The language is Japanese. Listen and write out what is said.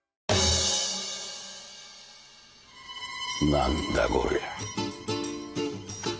何だこりゃ。